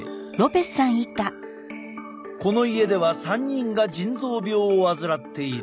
この家では３人が腎臓病を患っている。